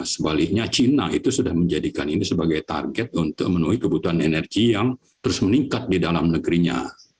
sebaliknya cina itu sudah menjadikan ini sebagai target untuk menuhi kebutuhan energi yang terus meningkat di dalam negerinya